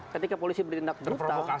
ketika polisi bertindak brutal